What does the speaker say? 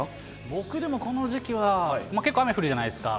僕でも、この時期は、結構雨降るじゃないですか。